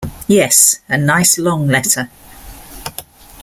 Yes, a nice long letter.